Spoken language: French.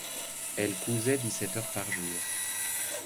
Elle cousait dix-sept heures par jour.